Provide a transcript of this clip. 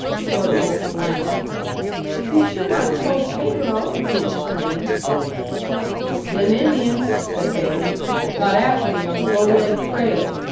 Shorty looked blank. "You've sure not sold Pedro?" he exclaimed. "Them Indians," said Balaam, "got after me on the Bow Leg trail.